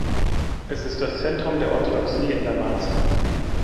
Es ist das Zentrum der Orthodoxie in Dalmatien.